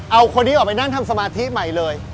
เอาคนนี้ออกไปนั่งทำสมาธิใหม่เลย